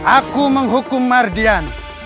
aku menghukum mardian